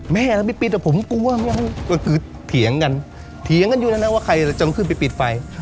แม่ก็น่าไปปิดสิแต่ผมกลัวทีย้างกันอยู่ท่านาว่าใครช่องขึ้นไปปิดไฟ